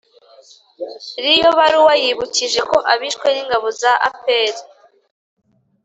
riyo baruwa yibukije ko abishwe n'ingabo za apr,